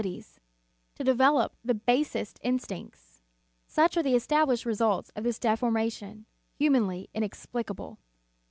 322 The Sign of the Cross to develop the basest instincts ; such are the established results of this deformation, hu manly inexplicable.